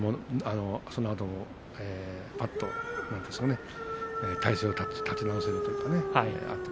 そのあとも、ぱっと体勢を立て直せるというかね。